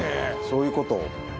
そういうこと。